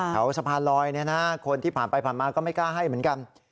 สะพานลอยคนที่ผ่านไปผ่านมาก็ไม่กล้าให้เหมือนกัน